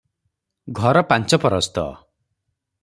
ଘର ପାଞ୍ଚ ପରସ୍ତ ।